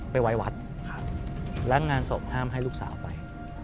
ไปไว้วัดแล้วงานศพห้ามให้ลูกสาวไป